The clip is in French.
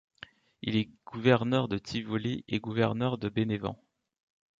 Il est gouverneur de Tivoli et gouverneur de Bénévent.